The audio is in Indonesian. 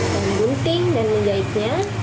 yang menggunting dan menjahitnya